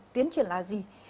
tiến triển là gì